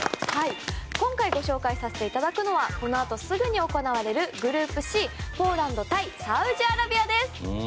今回、ご紹介させていただくのはこのあとすぐに行われるグループＣ、ポーランド対サウジアラビアです。